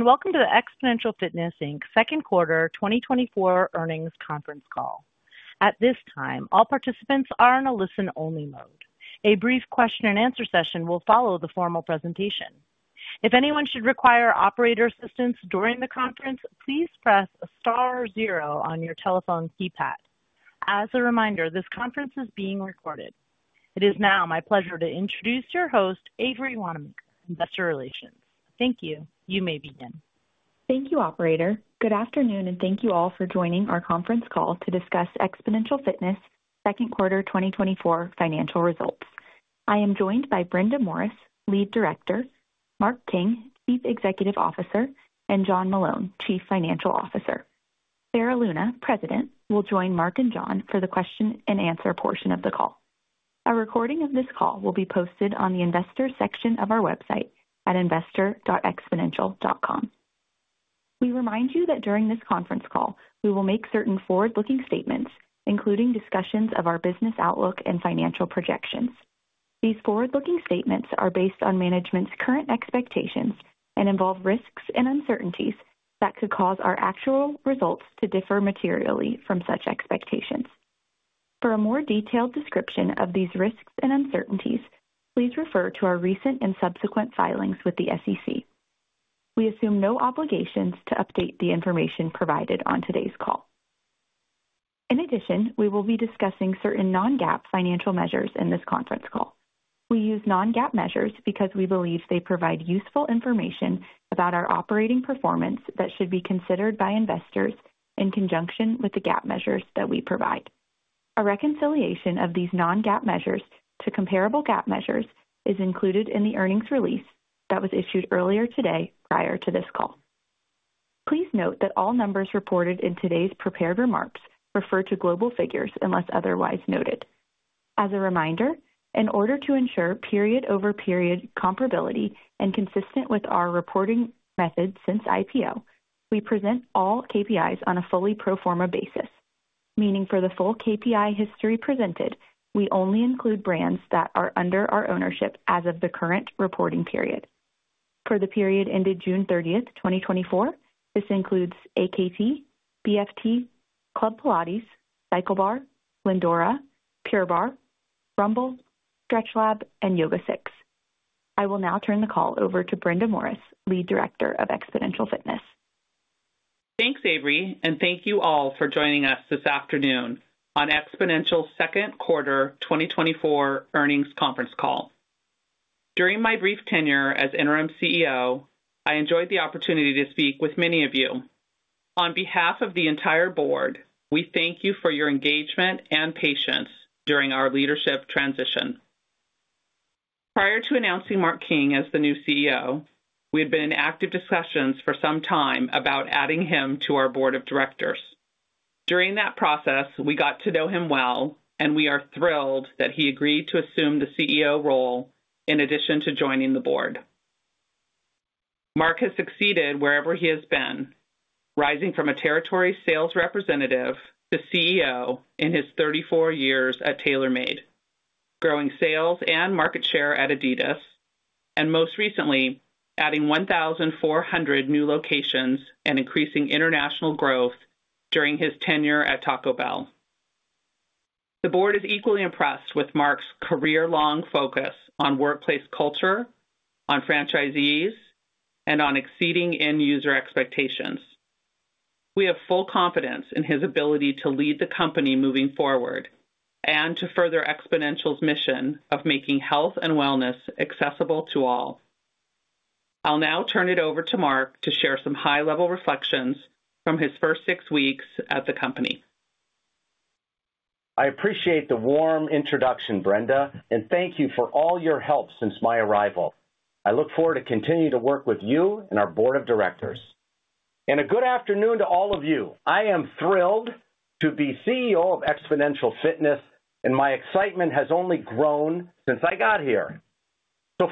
Welcome to the Xponential Fitness, Inc. second quarter 2024 earnings conference call. At this time, all participants are in a listen-only mode. A brief question-and-answer session will follow the formal presentation. If anyone should require operator assistance during the conference, please press star zero on your telephone keypad. As a reminder, this conference is being recorded. It is now my pleasure to introduce your host, Avery Wannemacher, Investor Relations. Thank you. You may begin. Thank you, Operator. Good afternoon, and thank you all for joining our conference call to discuss Xponential Fitness second quarter 2024 financial results. I am joined by Brenda Morris, Lead Director, Mark King, Chief Executive Officer, and John Meloun, Chief Financial Officer. Sarah Luna, President, will join Mark and John for the question-and-answer portion of the call. A recording of this call will be posted on the Investor section of our website at investor.xponential.com. We remind you that during this conference call, we will make certain forward-looking statements, including discussions of our business outlook and financial projections. These forward-looking statements are based on management's current expectations and involve risks and uncertainties that could cause our actual results to differ materially from such expectations. For a more detailed description of these risks and uncertainties, please refer to our recent and subsequent filings with the SEC. We assume no obligations to update the information provided on today's call. In addition, we will be discussing certain non-GAAP financial measures in this conference call. We use non-GAAP measures because we believe they provide useful information about our operating performance that should be considered by investors in conjunction with the GAAP measures that we provide. A reconciliation of these non-GAAP measures to comparable GAAP measures is included in the earnings release that was issued earlier today prior to this call. Please note that all numbers reported in today's prepared remarks refer to global figures unless otherwise noted. As a reminder, in order to ensure period-over-period comparability and consistent with our reporting method since IPO, we present all KPIs on a fully pro forma basis, meaning for the full KPI history presented, we only include brands that are under our ownership as of the current reporting period. For the period ended June 30th, 2024, this includes AKT, BFT, Club Pilates, CycleBar, Lindora, Pure Barre, Rumble, StretchLab, and YogaSix. I will now turn the call over to Brenda Morris, Lead Director of Xponential Fitness. Thanks, Avery, and thank you all for joining us this afternoon on Xponential Second Quarter 2024 Earnings Conference Call. During my brief tenure as Interim CEO, I enjoyed the opportunity to speak with many of you. On behalf of the entire board, we thank you for your engagement and patience during our leadership transition. Prior to announcing Mark King as the new CEO, we had been in active discussions for some time about adding him to our board of directors. During that process, we got to know him well, and we are thrilled that he agreed to assume the CEO role in addition to joining the board. Mark has succeeded wherever he has been, rising from a territory sales representative to CEO in his 34 years at TaylorMade, growing sales and market share at Adidas, and most recently, adding 1,400 new locations and increasing international growth during his tenure at Taco Bell. The board is equally impressed with Mark's career-long focus on workplace culture, on franchisees, and on exceeding end-user expectations. We have full confidence in his ability to lead the company moving forward and to further Xponential's mission of making health and wellness accessible to all. I'll now turn it over to Mark to share some high-level reflections from his first six weeks at the company. I appreciate the warm introduction, Brenda, and thank you for all your help since my arrival. I look forward to continuing to work with you and our board of directors. A good afternoon to all of you. I am thrilled to be CEO of Xponential Fitness, and my excitement has only grown since I got here.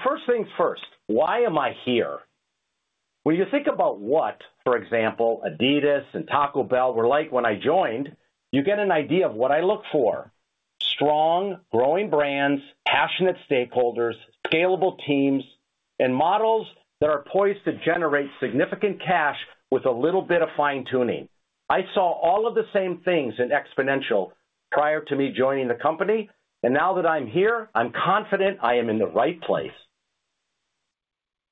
First things first, why am I here? When you think about what, for example, Adidas and Taco Bell were like when I joined, you get an idea of what I look for: strong, growing brands, passionate stakeholders, scalable teams, and models that are poised to generate significant cash with a little bit of fine-tuning. I saw all of the same things in Exponential prior to me joining the company, and now that I'm here, I'm confident I am in the right place.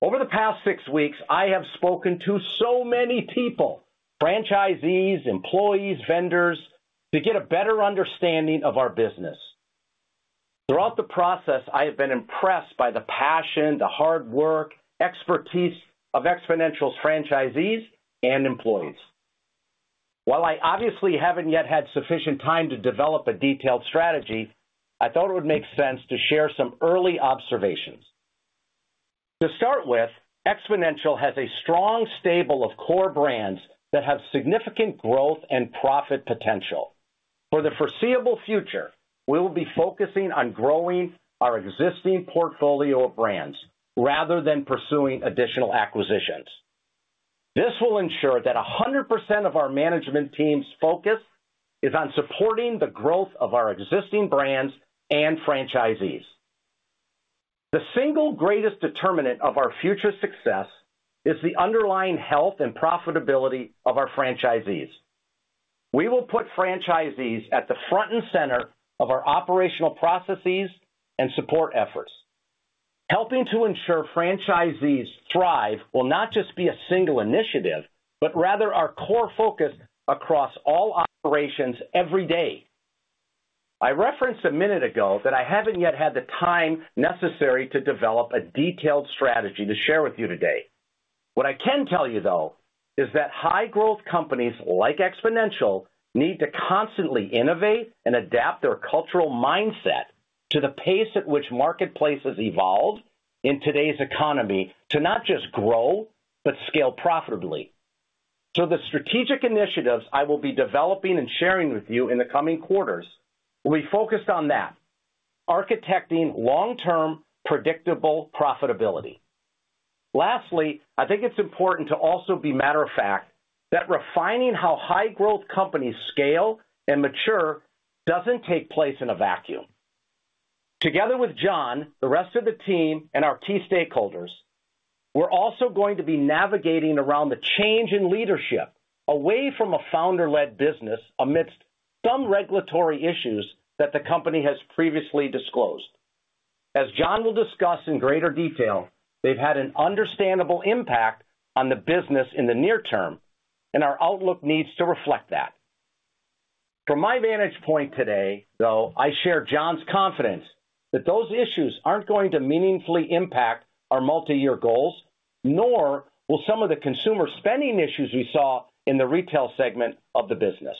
Over the past six weeks, I have spoken to so many people, franchisees, employees, vendors, to get a better understanding of our business. Throughout the process, I have been impressed by the passion, the hard work, and expertise of Xponential's franchisees and employees. While I obviously haven't yet had sufficient time to develop a detailed strategy, I thought it would make sense to share some early observations. To start with, Xponential has a strong stable of core brands that have significant growth and profit potential. For the foreseeable future, we will be focusing on growing our existing portfolio of brands rather than pursuing additional acquisitions. This will ensure that 100% of our management team's focus is on supporting the growth of our existing brands and franchisees. The single greatest determinant of our future success is the underlying health and profitability of our franchisees. We will put franchisees at the front and center of our operational processes and support efforts. Helping to ensure franchisees thrive will not just be a single initiative, but rather our core focus across all operations every day. I referenced a minute ago that I haven't yet had the time necessary to develop a detailed strategy to share with you today. What I can tell you, though, is that high-growth companies like Xponential need to constantly innovate and adapt their cultural mindset to the pace at which marketplaces evolve in today's economy to not just grow, but scale profitably. The strategic initiatives I will be developing and sharing with you in the coming quarters will be focused on that: architecting long-term predictable profitability. Lastly, I think it's important to also be matter-of-fact that refining how high-growth companies scale and mature doesn't take place in a vacuum. Together with John, the rest of the team, and our key stakeholders, we're also going to be navigating around the change in leadership away from a founder-led business amidst some regulatory issues that the company has previously disclosed. As John will discuss in greater detail, they've had an understandable impact on the business in the near-term, and our outlook needs to reflect that. From my vantage point today, though, I share John's confidence that those issues aren't going to meaningfully impact our multi-year goals, nor will some of the consumer spending issues we saw in the retail segment of the business.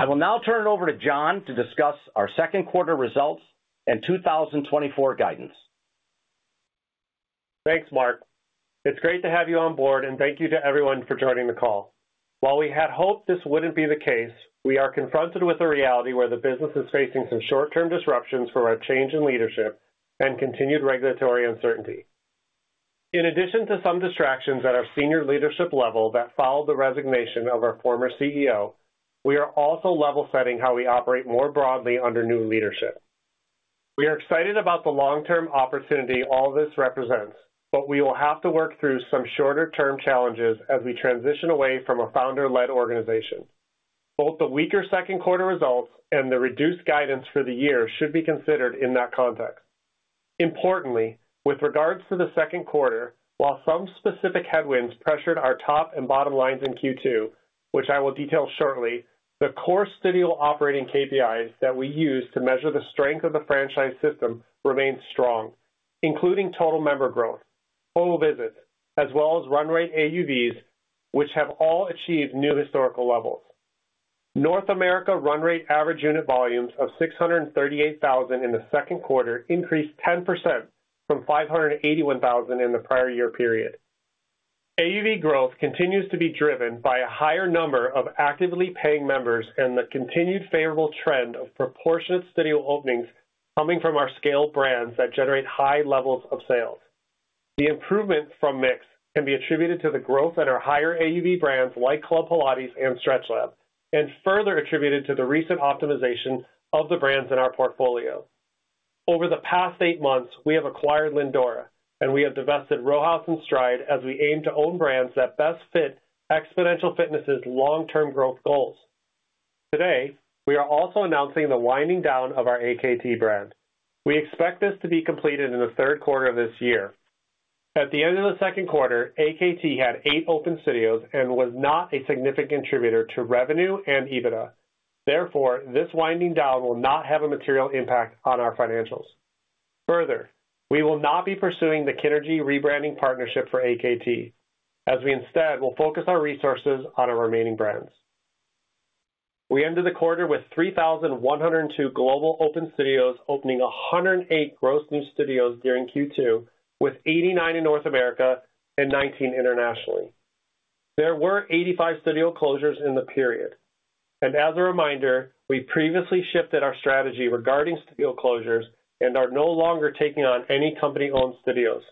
I will now turn it over to John to discuss our second quarter results and 2024 guidance. Thanks, Mark. It's great to have you on board, and thank you to everyone for joining the call. While we had hoped this wouldn't be the case, we are confronted with a reality where the business is facing some short-term disruptions for our change in leadership and continued regulatory uncertainty. In addition to some distractions at our senior leadership level that followed the resignation of our former CEO, we are also level-setting how we operate more broadly under new leadership. We are excited about the long-term opportunity all this represents, but we will have to work through some shorter-term challenges as we transition away from a founder-led organization. Both the weaker second quarter results and the reduced guidance for the year should be considered in that context. Importantly, with regards to the second quarter, while some specific headwinds pressured our top and bottom lines in Q2, which I will detail shortly, the core studio operating KPIs that we use to measure the strength of the franchise system remained strong, including total member growth, total visits, as well as run rate AUVs, which have all achieved new historical levels. North America run rate average unit volumes of 638,000 in the second quarter increased 10% from 581,000 in the prior year period. AUV growth continues to be driven by a higher number of actively paying members and the continued favorable trend of proportionate studio openings coming from our scaled brands that generate high levels of sales. The improvement from MIX can be attributed to the growth in our higher AUV brands like Club Pilates and StretchLab, and further attributed to the recent optimization of the brands in our portfolio. Over the past eight months, we have acquired Lindora, and we have divested Row House and STRIDE as we aim to own brands that best fit Xponential Fitness's long-term growth goals. Today, we are also announcing the winding down of our AKT brand. We expect this to be completed in the third quarter of this year. At the end of the second quarter, AKT had eight open studios and was not a significant contributor to revenue and EBITDA. Therefore, this winding down will not have a material impact on our financials. Further, we will not be pursuing the KINRGY rebranding partnership for AKT, as we instead will focus our resources on our remaining brands. We ended the quarter with 3,102 global open studios, opening 108 gross new studios during Q2, with 89 in North America and 19 internationally. There were 85 studio closures in the period. As a reminder, we previously shifted our strategy regarding studio closures and are no longer taking on any company-owned studios.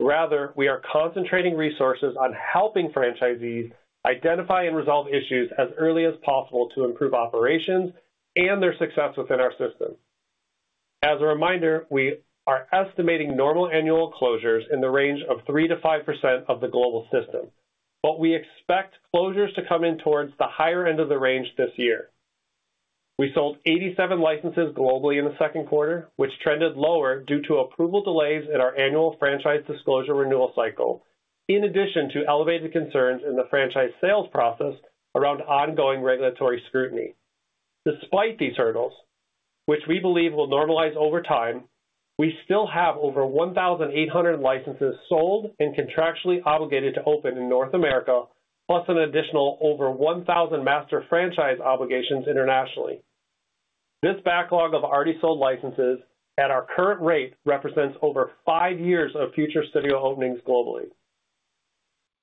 Rather, we are concentrating resources on helping franchisees identify and resolve issues as early as possible to improve operations and their success within our system. As a reminder, we are estimating normal annual closures in the range of 3%-5% of the global system, but we expect closures to come in towards the higher end of the range this year. We sold 87 licenses globally in the second quarter, which trended lower due to approval delays in our annual franchise disclosure renewal cycle, in addition to elevated concerns in the franchise sales process around ongoing regulatory scrutiny. Despite these hurdles, which we believe will normalize over time, we still have over 1,800 licenses sold and contractually obligated to open in North America, plus an additional over 1,000 master franchise obligations internationally. This backlog of already sold licenses at our current rate represents over 5 years of future studio openings globally.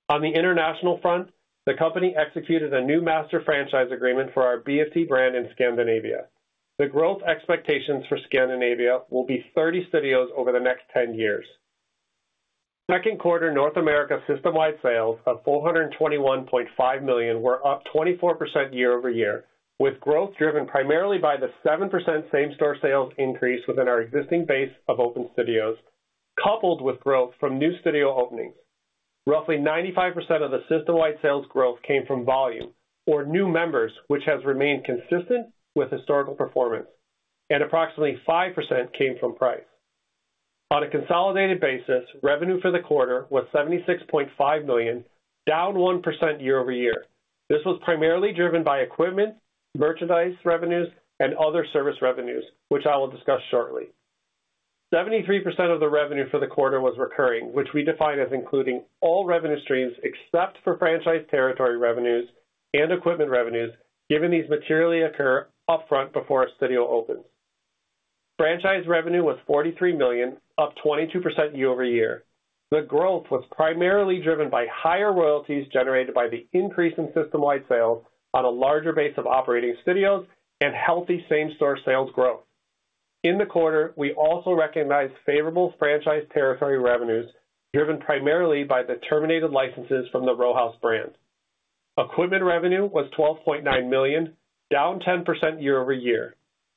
On the international front, the company executed a new master franchise agreement for our BFT brand in Scandinavia. The growth expectations for Scandinavia will be 30 studios over the next 10 years. Second quarter North America system-wide sales of $421.5 million were up 24% year-over-year, with growth driven primarily by the 7% same-store sales increase within our existing base of open studios, coupled with growth from new studio openings. Roughly 95% of the system-wide sales growth came from volume or new members, which has remained consistent with historical performance, and approximately 5% came from price. On a consolidated basis, revenue for the quarter was $76.5 million, down 1% year-over-year. This was primarily driven by equipment, merchandise revenues, and other service revenues, which I will discuss shortly. 73% of the revenue for the quarter was recurring, which we define as including all revenue streams except for franchise territory revenues and equipment revenues, given these materially occur upfront before a studio opens. Franchise revenue was $43 million, up 22% year-over-year. The growth was primarily driven by higher royalties generated by the increase in system-wide sales on a larger base of operating studios and healthy same-store sales growth. In the quarter, we also recognized favorable franchise territory revenues driven primarily by the terminated licenses from the Row House brand. Equipment revenue was $12.9 million, down 10% year-over-year.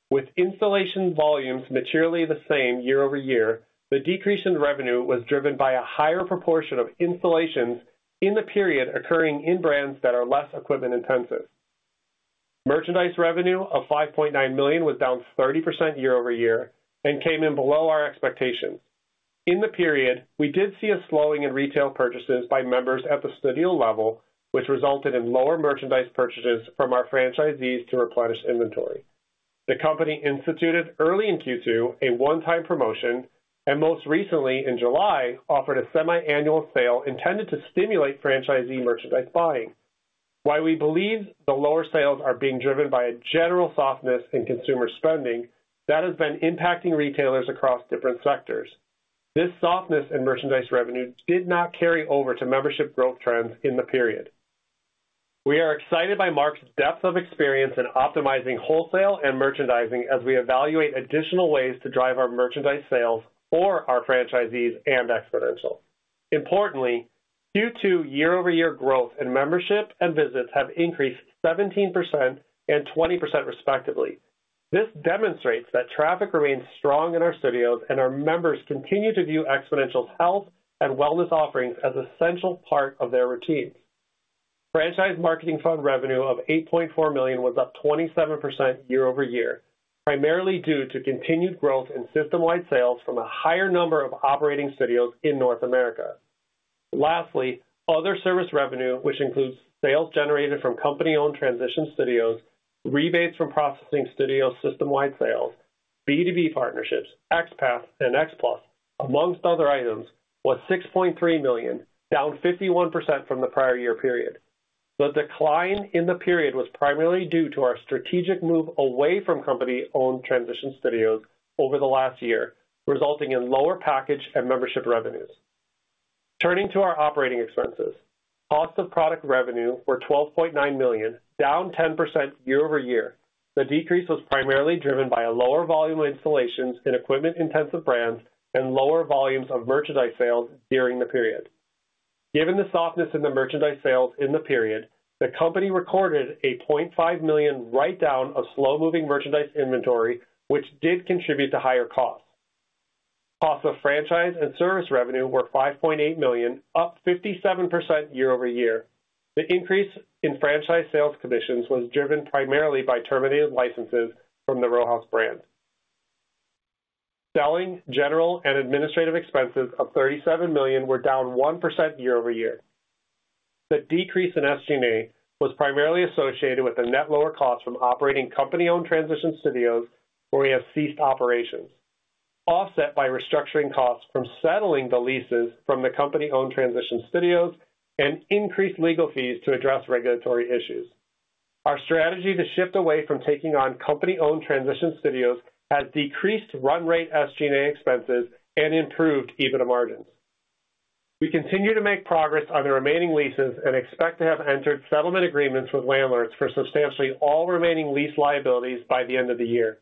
With installation volumes materially the same year-over-year, the decrease in revenue was driven by a higher proportion of installations in the period occurring in brands that are less equipment intensive. Merchandise revenue of $5.9 million was down 30% year-over-year and came in below our expectations. In the period, we did see a slowing in retail purchases by members at the studio level, which resulted in lower merchandise purchases from our franchisees to replenish inventory. The company instituted early in Q2 a one-time promotion and most recently, in July, offered a semi-annual sale intended to stimulate franchisee merchandise buying. While we believe the lower sales are being driven by a general softness in consumer spending that has been impacting retailers across different sectors, this softness in merchandise revenue did not carry over to membership growth trends in the period. We are excited by Mark's depth of experience in optimizing wholesale and merchandising as we evaluate additional ways to drive our merchandise sales for our franchisees and Exponential. Importantly, Q2 year-over-year growth in membership and visits have increased 17% and 20% respectively. This demonstrates that traffic remains strong in our studios and our members continue to view Xponential's health and wellness offerings as an essential part of their routines. Franchise marketing fund revenue of $8.4 million was up 27% year-over-year, primarily due to continued growth in system-wide sales from a higher number of operating studios in North America. Lastly, other service revenue, which includes sales generated from company-owned transition studios, rebates from processing studio system-wide sales, B2B partnerships, XPass, and XPLUS, among other items, was $6.3 million, down 51% from the prior year period. The decline in the period was primarily due to our strategic move away from company-owned transition studios over the last year, resulting in lower package and membership revenues. Turning to our operating expenses, cost of product revenue were $12.9 million, down 10% year-over-year. The decrease was primarily driven by a lower volume of installations in equipment-intensive brands and lower volumes of merchandise sales during the period. Given the softness in the merchandise sales in the period, the company recorded a $0.5 million write-down of slow-moving merchandise inventory, which did contribute to higher costs. Cost of franchise and service revenue were $5.8 million, up 57% year-over-year. The increase in franchise sales commissions was driven primarily by terminated licenses from the Row House brand. Selling, general, and administrative expenses of $37 million were down 1% year-over-year. The decrease in SG&A was primarily associated with the net lower costs from operating company-owned transition studios where we have ceased operations, offset by restructuring costs from settling the leases from the company-owned transition studios and increased legal fees to address regulatory issues. Our strategy to shift away from taking on company-owned transition studios has decreased run rate SG&A expenses and improved EBITDA margins. We continue to make progress on the remaining leases and expect to have entered settlement agreements with landlords for substantially all remaining lease liabilities by the end of the year.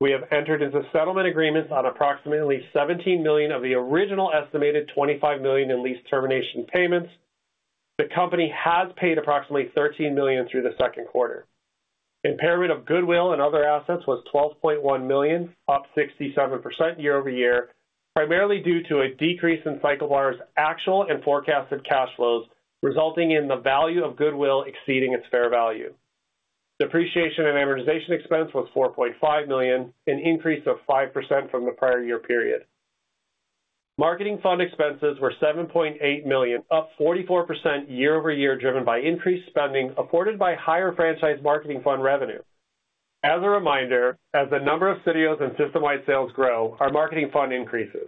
We have entered into settlement agreements on approximately $17 million of the original estimated $25 million in lease termination payments. The company has paid approximately $13 million through the second quarter. Impairment of goodwill and other assets was $12.1 million, up 67% year-over-year, primarily due to a decrease in CycleBar's actual and forecasted cash flows, resulting in the value of goodwill exceeding its fair value. Depreciation and amortization expense was $4.5 million, an increase of 5% from the prior year period. Marketing fund expenses were $7.8 million, up 44% year-over-year, driven by increased spending afforded by higher franchise marketing fund revenue. As a reminder, as the number of studios and system-wide sales grow, our marketing fund increases.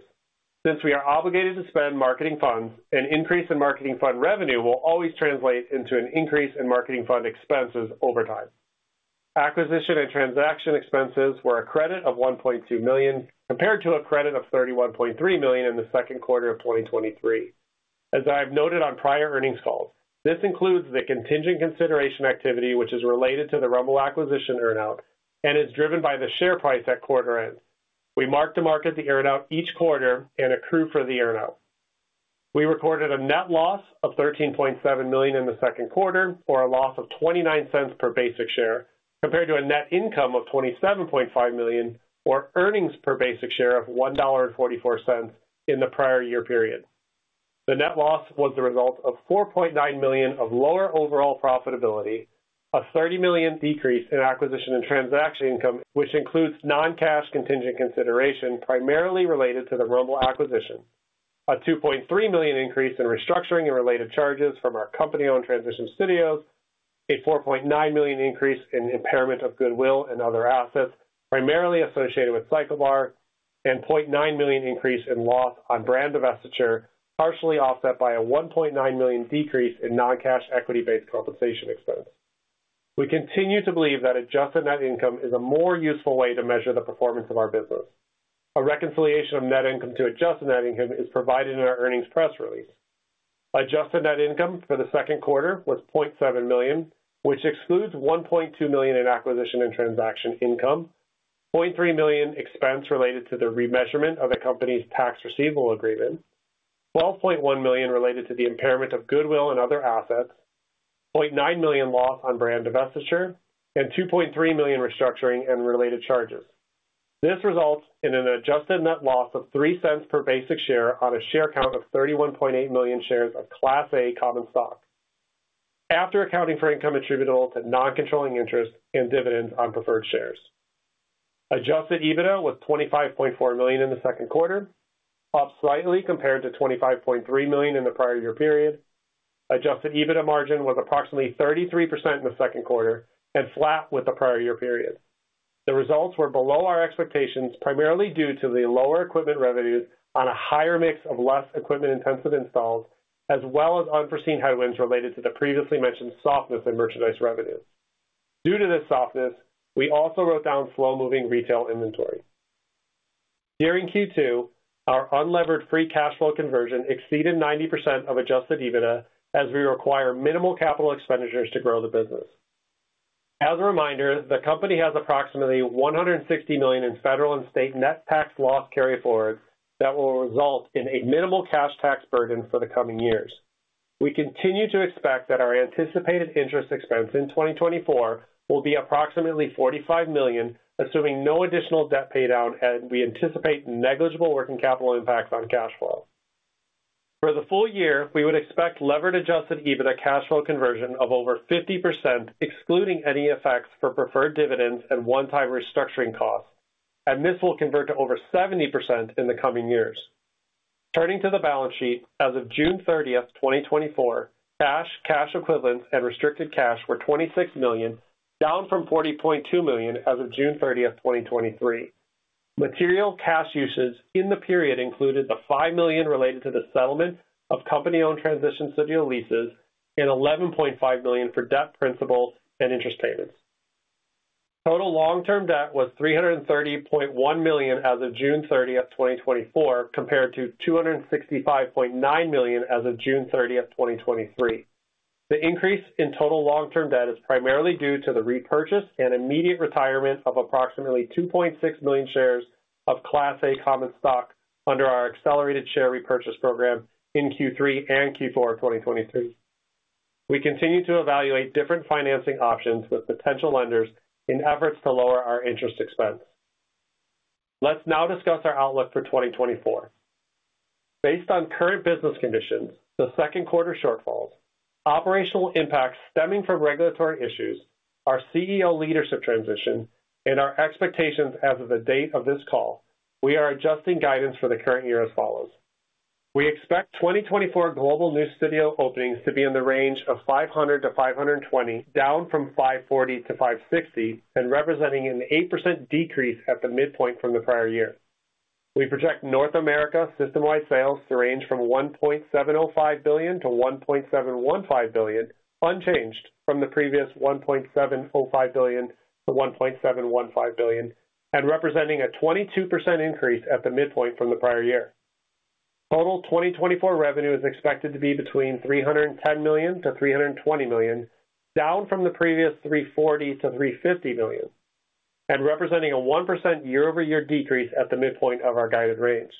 Since we are obligated to spend marketing funds, an increase in marketing fund revenue will always translate into an increase in marketing fund expenses over time. Acquisition and transaction expenses were a credit of $1.2 million compared to a credit of $31.3 million in the second quarter of 2023. As I have noted on prior earnings calls, this includes the contingent consideration activity, which is related to the Rumble acquisition earnout and is driven by the share price at quarter end. We marked to market the earnout each quarter and accrue for the earnout. We recorded a net loss of $13.7 million in the second quarter, or a loss of $0.29 per basic share, compared to a net income of $27.5 million or earnings per basic share of $1.44 in the prior year period. The net loss was the result of $4.9 million of lower overall profitability, a $30 million decrease in acquisition and transaction income, which includes non-cash contingent consideration primarily related to the Rumble acquisition, a $2.3 million increase in restructuring and related charges from our company-owned transition studios, a $4.9 million increase in impairment of goodwill and other assets primarily associated with CycleBar, and a $0.9 million increase in loss on brand divestiture, partially offset by a $1.9 million decrease in non-cash equity-based compensation expense. We continue to believe that adjusted net income is a more useful way to measure the performance of our business. A reconciliation of net income to adjusted net income is provided in our earnings press release. Adjusted net income for the second quarter was $0.7 million, which excludes $1.2 million in acquisition and transaction income, $0.3 million expense related to the remeasurement of the company's tax receivable agreement, $12.1 million related to the impairment of goodwill and other assets, $0.9 million loss on brand divestiture, and $2.3 million restructuring and related charges. This results in an adjusted net loss of $0.03 per basic share on a share count of 31.8 million shares of Class A common stock, after accounting for income attributable to non-controlling interest and dividends on preferred shares. Adjusted EBITDA was $25.4 million in the second quarter, up slightly compared to $25.3 million in the prior year period. Adjusted EBITDA margin was approximately 33% in the second quarter and flat with the prior year period. The results were below our expectations, primarily due to the lower equipment revenues on a higher mix of less equipment-intensive installs, as well as unforeseen headwinds related to the previously mentioned softness in merchandise revenue. Due to this softness, we also wrote down slow-moving retail inventory. During Q2, our unlevered free cash flow conversion exceeded 90% of Adjusted EBITDA, as we require minimal capital expenditures to grow the business. As a reminder, the company has approximately $160 million in federal and state net tax loss carry forward that will result in a minimal cash tax burden for the coming years. We continue to expect that our anticipated interest expense in 2024 will be approximately $45 million, assuming no additional debt paydown, and we anticipate negligible working capital impacts on cash flow. For the full year, we would expect levered Adjusted EBITDA cash flow conversion of over 50%, excluding any effects for preferred dividends and one-time restructuring costs, and this will convert to over 70% in the coming years. Turning to the balance sheet, as of June 30th, 2024, cash, cash equivalents, and restricted cash were $26 million, down from $40.2 million as of June 30th, 2023. Material cash uses in the period included the $5 million related to the settlement of company-owned transition studio leases and $11.5 million for debt principal and interest payments. Total long-term debt was $330.1 million as of June 30th, 2024, compared to $265.9 million as of June 30th, 2023. The increase in total long-term debt is primarily due to the repurchase and immediate retirement of approximately 2.6 million shares of Class A common stock under our accelerated share repurchase program in Q3 and Q4 of 2023. We continue to evaluate different financing options with potential lenders in efforts to lower our interest expense. Let's now discuss our outlook for 2024. Based on current business conditions, the second quarter shortfalls, operational impacts stemming from regulatory issues, our CEO leadership transition, and our expectations as of the date of this call, we are adjusting guidance for the current year as follows. We expect 2024 global new studio openings to be in the range of 500-520, down from 540-560, and representing an 8% decrease at the midpoint from the prior year. We project North America system-wide sales to range from $1.705 billion-$1.715 billion, unchanged from the previous $1.705 billion-$1.715 billion, and representing a 22% increase at the midpoint from the prior year. Total 2024 revenue is expected to be between $310 million-$320 million, down from the previous $340 million-$350 million, and representing a 1% year-over-year decrease at the midpoint of our guided range.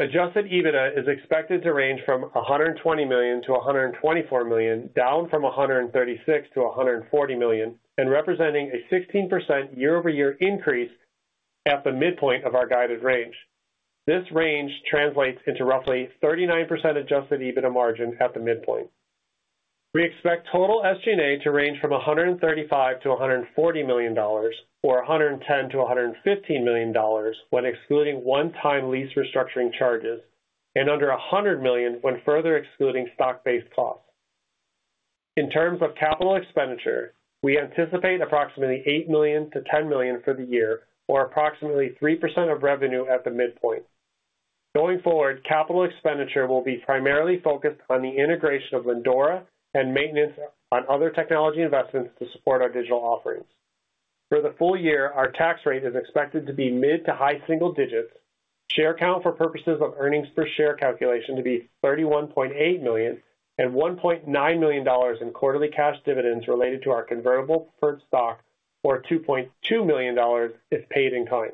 Adjusted EBITDA is expected to range from $120 million-$124 million, down from $136 million-$140 million, and representing a 16% year-over-year increase at the midpoint of our guided range. This range translates into roughly 39% adjusted EBITDA margin at the midpoint. We expect total SG&A to range from $135 million-$140 million, or $110 million-$115 million, when excluding one-time lease restructuring charges, and under $100 million when further excluding stock-based costs. In terms of capital expenditure, we anticipate approximately $8 million-$10 million for the year, or approximately 3% of revenue at the midpoint. Going forward, capital expenditure will be primarily focused on the integration of Lindora and maintenance on other technology investments to support our digital offerings. For the full year, our tax rate is expected to be mid- to high-single digits, share count for purposes of earnings per share calculation to be 31.8 million, and $1.9 million in quarterly cash dividends related to our convertible preferred stock, or $2.2 million if paid in kind.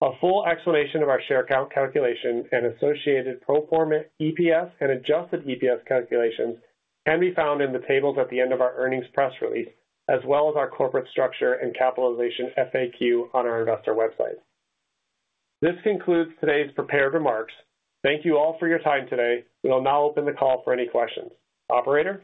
A full explanation of our share count calculation and associated pro forma EPS and adjusted EPS calculations can be found in the tables at the end of our earnings press release, as well as our corporate structure and capitalization FAQ on our investor website. This concludes today's prepared remarks. Thank you all for your time today. We will now open the call for any questions. Operator?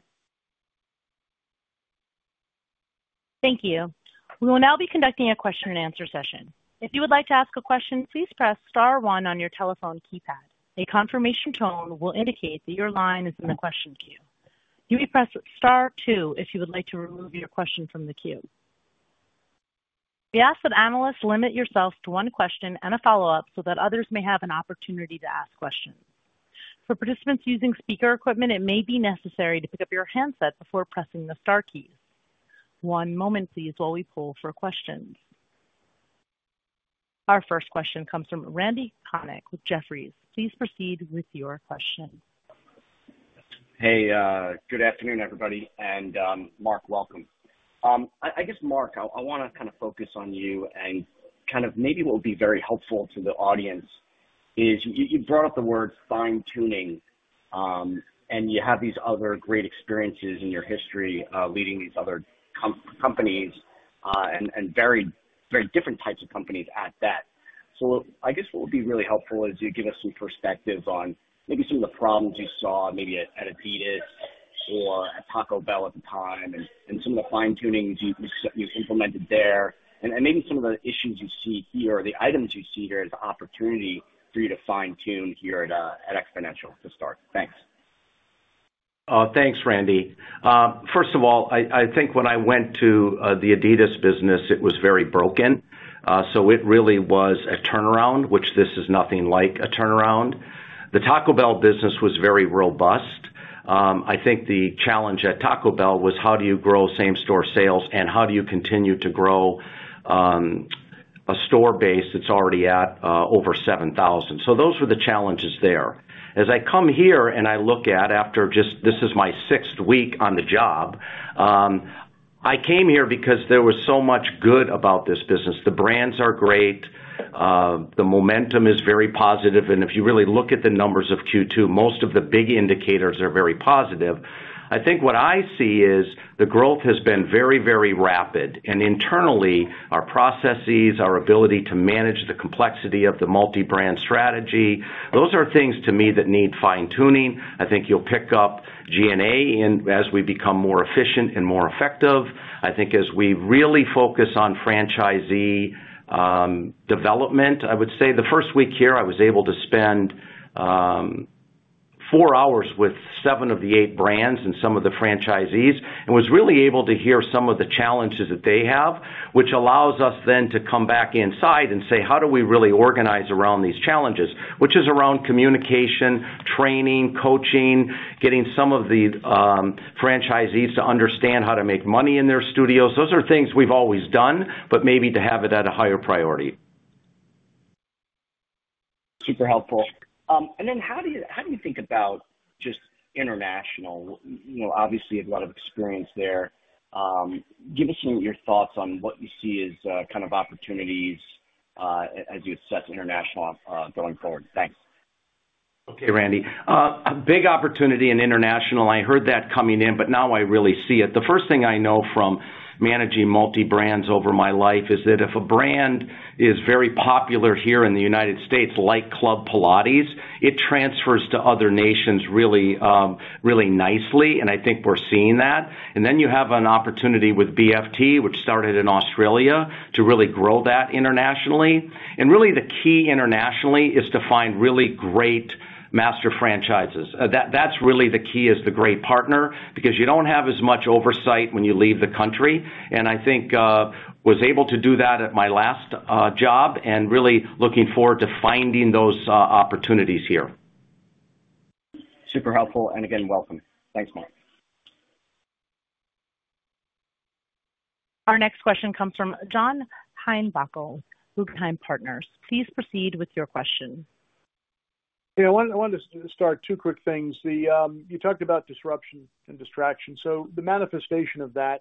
Thank you. We will now be conducting a question-and-answer session. If you would like to ask a question, please press star one on your telephone keypad. A confirmation tone will indicate that your line is in the question queue. You may press star two if you would like to remove your question from the queue. We ask that analysts limit yourselves to one question and a follow-up so that others may have an opportunity to ask questions. For participants using speaker equipment, it may be necessary to pick up your handset before pressing the star keys. One moment, please, while we pull for questions. Our first question comes from Randal Konik with Jefferies. Please proceed with your question. Hey, good afternoon, everybody, and Mark, welcome. I guess, Mark, I want to kind of focus on you, and kind of maybe what would be very helpful to the audience is you brought up the word fine-tuning, and you have these other great experiences in your history leading these other companies and very different types of companies at that. So I guess what would be really helpful is you give us some perspectives on maybe some of the problems you saw maybe at Adidas or at Taco Bell at the time and some of the fine-tunings you implemented there, and maybe some of the issues you see here, the items you see here as opportunity for you to fine-tune here at Xponential to start. Thanks. Thanks, Randy. First of all, I think when I went to the Adidas business, it was very broken. So it really was a turnaround, which this is nothing like a turnaround. The Taco Bell business was very robust. I think the challenge at Taco Bell was how do you grow same-store sales and how do you continue to grow a store base that's already at over 7,000. So those were the challenges there. As I come here and I look at after just this is my sixth week on the job, I came here because there was so much good about this business. The brands are great. The momentum is very positive. And if you really look at the numbers of Q2, most of the big indicators are very positive. I think what I see is the growth has been very, very rapid. And internally, our processes, our ability to manage the complexity of the multi-brand strategy, those are things to me that need fine-tuning. I think you'll pick up G&A as we become more efficient and more effective. I think as we really focus on franchisee development, I would say the first week here, I was able to spend four hours with seven of the eight brands and some of the franchisees and was really able to hear some of the challenges that they have, which allows us then to come back inside and say, "How do we really organize around these challenges?" which is around communication, training, coaching, getting some of the franchisees to understand how to make money in their studios. Those are things we've always done, but maybe to have it at a higher priority. Super helpful. And then how do you think about just international? Obviously, you have a lot of experience there. Give us some of your thoughts on what you see as kind of opportunities as you assess international going forward. Thanks. Okay, Randy. Big opportunity in international. I heard that coming in, but now I really see it. The first thing I know from managing multi-brands over my life is that if a brand is very popular here in the United States, like Club Pilates, it transfers to other nations really nicely, and I think we're seeing that. And then you have an opportunity with BFT, which started in Australia, to really grow that internationally. And really, the key internationally is to find really great master franchises. That's really the key as the great partner because you don't have as much oversight when you leave the country. And I think I was able to do that at my last job and really looking forward to finding those opportunities here. Super helpful. And again, welcome. Thanks, Mark. Our next question comes from John Heinbockel, Guggenheim Partners. Please proceed with your question. Yeah, I wanted to start two quick things. You talked about disruption and distraction. So the manifestation of that,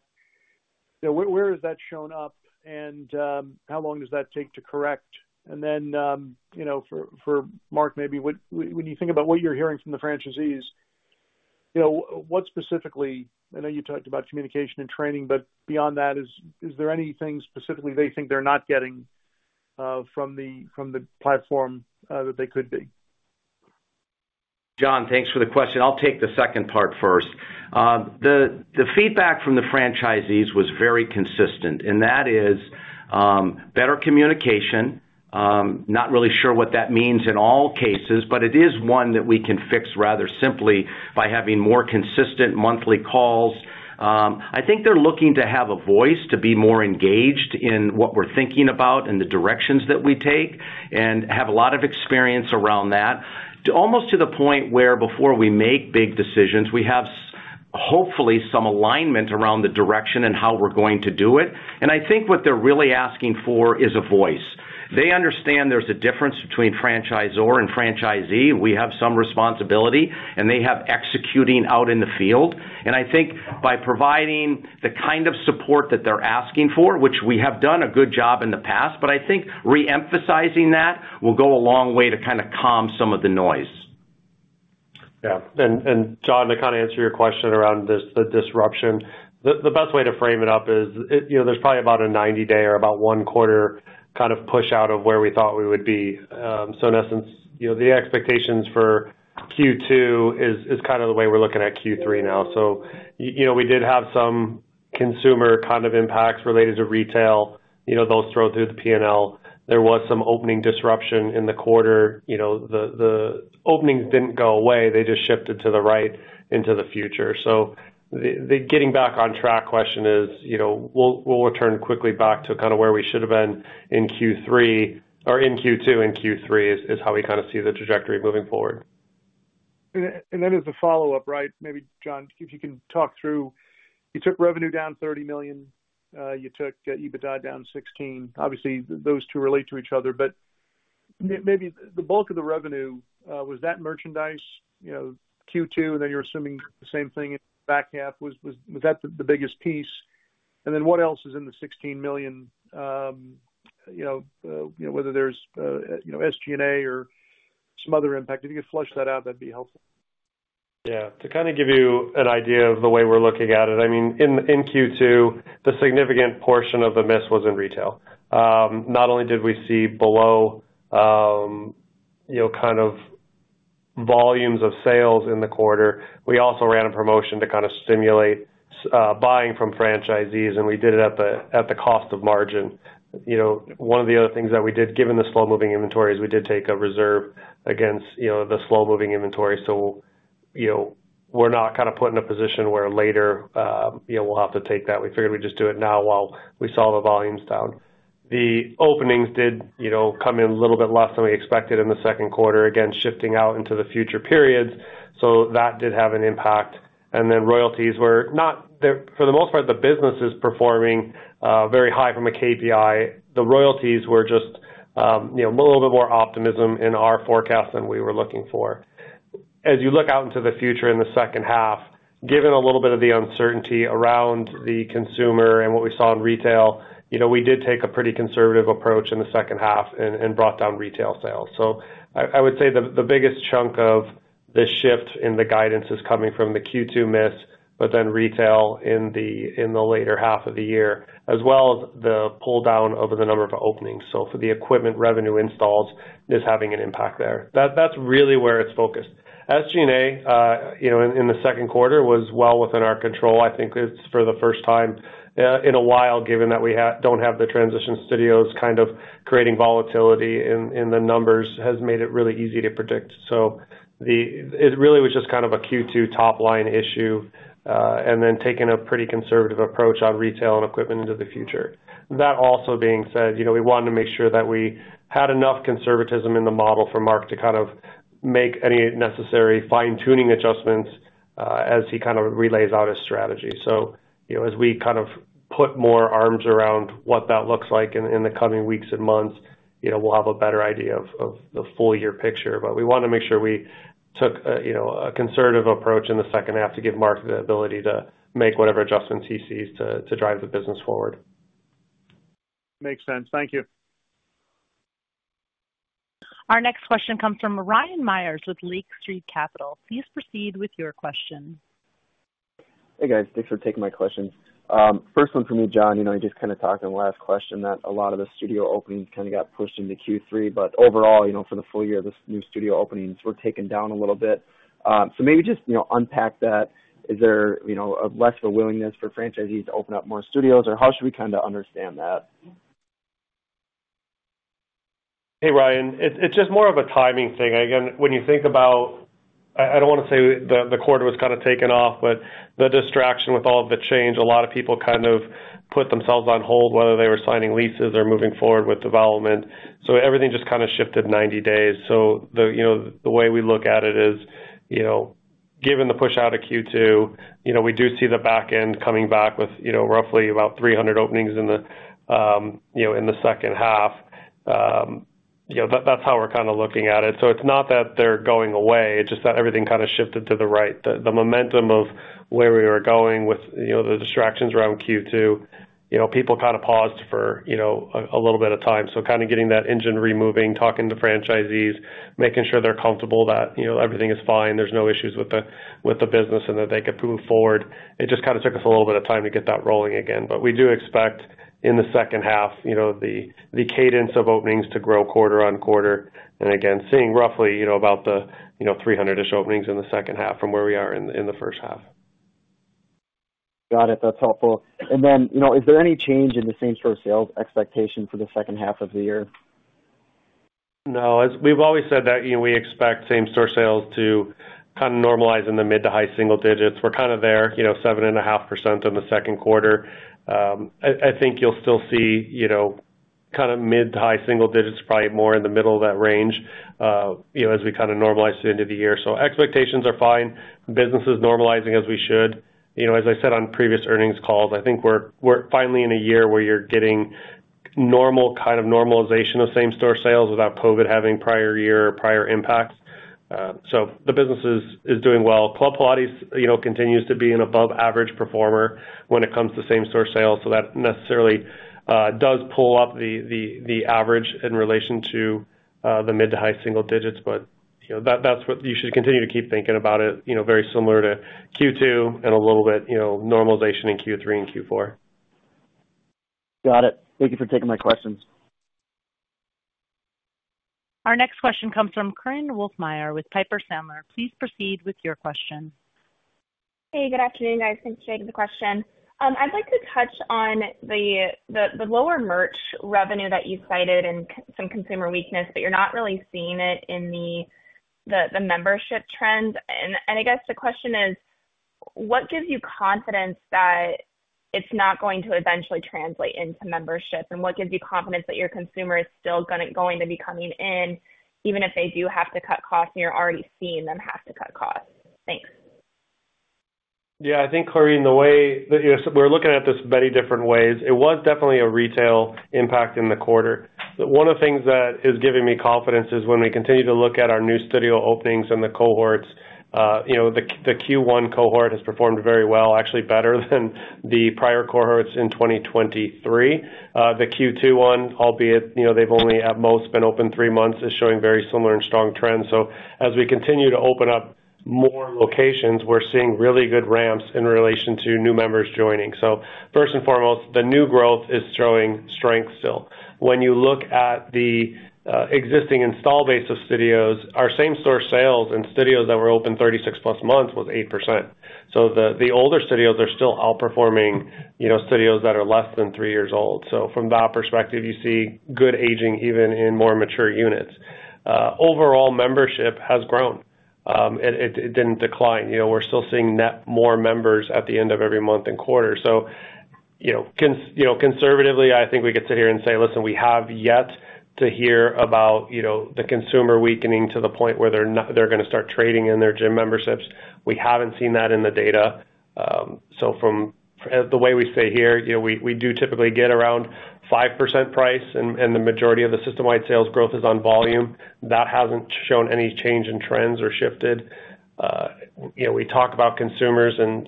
where has that shown up, and how long does that take to correct? And then for Mark, maybe when you think about what you're hearing from the franchisees, what specifically, I know you talked about communication and training, but beyond that, is there anything specifically they think they're not getting from the platform that they could be? John, thanks for the question. I'll take the second part first. The feedback from the franchisees was very consistent, and that is better communication. Not really sure what that means in all cases, but it is one that we can fix rather simply by having more consistent monthly calls. I think they're looking to have a voice to be more engaged in what we're thinking about and the directions that we take and have a lot of experience around that, almost to the point where before we make big decisions, we have hopefully some alignment around the direction and how we're going to do it. I think what they're really asking for is a voice. They understand there's a difference between franchisor and franchisee. We have some responsibility, and they have executing out in the field. I think by providing the kind of support that they're asking for, which we have done a good job in the past, but I think reemphasizing that will go a long way to kind of calm some of the noise. Yeah. John, to kind of answer your question around the disruption, the best way to frame it up is there's probably about a 90-day or about one-quarter kind of push out of where we thought we would be. So in essence, the expectations for Q2 is kind of the way we're looking at Q3 now. So we did have some consumer kind of impacts related to retail. Those throw through the P&L. There was some opening disruption in the quarter. The openings didn't go away. They just shifted to the right into the future. So the getting back on track question is, will we turn quickly back to kind of where we should have been in Q3 or in Q2 and Q3 is how we kind of see the trajectory moving forward. And then as a follow-up, right, maybe John, if you can talk through, you took revenue down $30 million. You took EBITDA down $16 million. Obviously, those two relate to each other, but maybe the bulk of the revenue, was that merchandise Q2, and then you're assuming the same thing in the back half? Was that the biggest piece? And then what else is in the $16 million, whether there's SG&A or some other impact? If you could flesh that out, that'd be helpful. Yeah. To kind of give you an idea of the way we're looking at it, I mean, in Q2, the significant portion of the miss was in retail. Not only did we see below kind of volumes of sales in the quarter, we also ran a promotion to kind of stimulate buying from franchisees, and we did it at the cost of margin. One of the other things that we did, given the slow-moving inventories, we did take a reserve against the slow-moving inventory. So we're not kind of put in a position where later we'll have to take that. We figured we'd just do it now while we saw the volumes down. The openings did come in a little bit less than we expected in the second quarter, again, shifting out into the future periods. So that did have an impact. And then royalties were not, for the most part, the business is performing very high from a KPI. The royalties were just a little bit more optimism in our forecast than we were looking for. As you look out into the future in the second half, given a little bit of the uncertainty around the consumer and what we saw in retail, we did take a pretty conservative approach in the second half and brought down retail sales. So I would say the biggest chunk of this shift in the guidance is coming from the Q2 miss, but then retail in the later half of the year, as well as the pull-down over the number of openings. So for the equipment revenue installs, this is having an impact there. That's really where it's focused. SG&A in the second quarter was well within our control. I think it's for the first time in a while, given that we don't have the transition studios kind of creating volatility in the numbers, has made it really easy to predict. So it really was just kind of a Q2 top-line issue and then taking a pretty conservative approach on retail and equipment into the future. That also being said, we wanted to make sure that we had enough conservatism in the model for Mark to kind of make any necessary fine-tuning adjustments as he kind of relays out his strategy. So as we kind of put more arms around what that looks like in the coming weeks and months, we'll have a better idea of the full-year picture. But we wanted to make sure we took a conservative approach in the second half to give Mark the ability to make whatever adjustments he sees to drive the business forward. Makes sense. Thank you. Our next question comes from Ryan Meyers with Lake Street Capital Markets. Please proceed with your question. Hey, guys. Thanks for taking my questions. First one for me, John, you just kind of talked in the last question that a lot of the studio openings kind of got pushed into Q3, but overall, for the full year, the new studio openings were taken down a little bit. So maybe just unpack that. Is there less of a willingness for franchisees to open up more studios, or how should we kind of understand that? Hey, Ryan. It's just more of a timing thing. Again, when you think about, I don't want to say the quarter was kind of taken off, but the distraction with all of the change, a lot of people kind of put themselves on hold, whether they were signing leases or moving forward with development. So everything just kind of shifted 90 days. So the way we look at it is, given the push out of Q2, we do see the back end coming back with roughly about 300 openings in the second half. That's how we're kind of looking at it. So it's not that they're going away. It's just that everything kind of shifted to the right. The momentum of where we were going with the distractions around Q2, people kind of paused for a little bit of time. So kind of getting that engine running, talking to franchisees, making sure they're comfortable that everything is fine, there's no issues with the business, and that they could move forward. It just kind of took us a little bit of time to get that rolling again. But we do expect in the second half the cadence of openings to grow quarter on quarter. And again, seeing roughly about the 300-ish openings in the second half from where we are in the first half. Got it. That's helpful. And then is there any change in the same-store sales expectation for the second half of the year? No. We've always said that we expect same-store sales to kind of normalize in the mid to high single digits. We're kind of there, 7.5% in the second quarter. I think you'll still see kind of mid to high single digits, probably more in the middle of that range as we kind of normalize through into the year. So expectations are fine. Business is normalizing as we should. As I said on previous earnings calls, I think we're finally in a year where you're getting normal kind of normalization of same-store sales without COVID having prior year or prior impacts. So the business is doing well. Club Pilates continues to be an above-average performer when it comes to same-store sales. So that necessarily does pull up the average in relation to the mid to high single digits. But that's what you should continue to keep thinking about it, very similar to Q2 and a little bit normalization in Q3 and Q4. Got it. Thank you for taking my questions. Our next question comes from Korinne Wolfmeyer with Piper Sandler. Please proceed with your question. Hey, good afternoon, guys. Thanks for taking the question. I'd like to touch on the lower merch revenue that you cited and some consumer weakness, but you're not really seeing it in the membership trends. And I guess the question is, what gives you confidence that it's not going to eventually translate into membership? What gives you confidence that your consumer is still going to be coming in even if they do have to cut costs and you're already seeing them have to cut costs? Thanks. Yeah. I think, Korinne, the way we're looking at this many different ways, it was definitely a retail impact in the quarter. But one of the things that is giving me confidence is when we continue to look at our new studio openings and the cohorts, the Q1 cohort has performed very well, actually better than the prior cohorts in 2023. The Q2 one, albeit they've only at most been open 3 months, is showing very similar and strong trends. So as we continue to open up more locations, we're seeing really good ramps in relation to new members joining. So first and foremost, the new growth is showing strength still. When you look at the existing install base of studios, our same-store sales and studios that were open 36+ months was 8%. So the older studios are still outperforming studios that are less than three years old. So from that perspective, you see good aging even in more mature units. Overall, membership has grown. It didn't decline. We're still seeing net more members at the end of every month and quarter. So conservatively, I think we could sit here and say, "Listen, we have yet to hear about the consumer weakening to the point where they're going to start trading in their gym memberships." We haven't seen that in the data. So from the way we stay here, we do typically get around 5% price, and the majority of the system-wide sales growth is on volume. That hasn't shown any change in trends or shifted. We talk about consumers, and